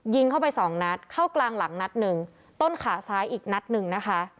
ยิงเข้าไปสองนัดเข้ากลางหลังนัดหนึ่งต้นขาซ้ายอีกนัดหนึ่งนะคะ